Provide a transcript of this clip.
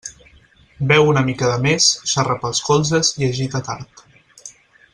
Beu una mica de més, xarra pels colzes i es gita tard.